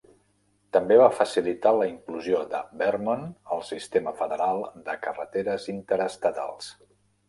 També va facilitar la inclusió de Vermont al sistema federal de carreteres interestatals.